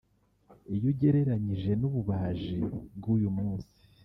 iyo ugereranyije n’ububaji bw’uyu munsi